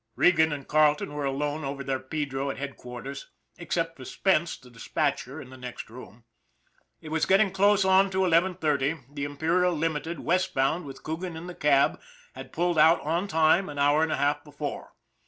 Regan and Carleton were alone over their pedro at headquarters, except for Spence, the dispatcher, in the next room. It was getting close on to eleven thirty. The Imperial Limited, West bound, with Coogan in the cab, had pulled out on time an hour and a half before.